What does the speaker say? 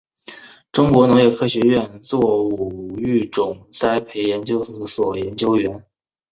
中国农业科学院作物育种栽培研究所研究员。